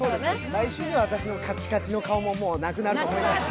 来週には私のカチカチの顔ももうなくなると思います。